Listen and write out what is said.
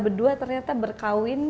berdua ternyata berkahwin